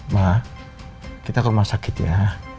mbak kita ke rumah sakit ya